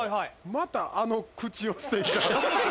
またあの口をしていた。